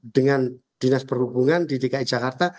dengan dinas perhubungan di dki jakarta